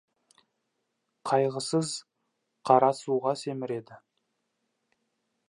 Қайғысыз қара суға семіреді.